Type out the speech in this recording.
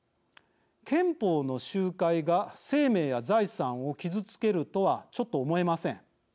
憲法の集会が生命や財産を傷つけるとはちょっと思えません。